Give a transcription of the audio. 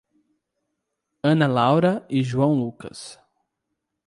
Ana Laura e João Lucas